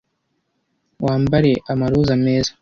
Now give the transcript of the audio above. wambare amaroza meza